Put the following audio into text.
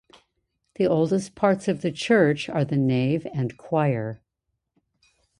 The oldest parts of the church are the nave and choir.